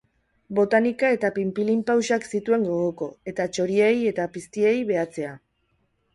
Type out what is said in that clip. Botanika eta pinpilinpauxak zituen gogoko, eta txoriei eta piztiei behatzea.